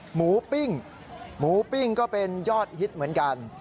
ปิ้งหมูปิ้งก็เป็นยอดฮิตเหมือนกัน